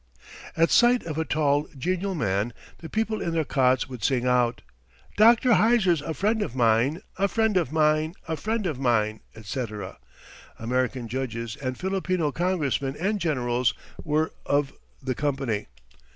At sight of a tall, genial man, the people in their cots would sing out, "Doctor Heiser's a friend of mine, a friend of mine, a friend of mine," etc. American judges, and Filipino congressmen and generals were of the company.